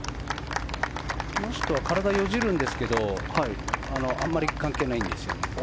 この人は体をよじるんですけどあまり関係ないんですよね。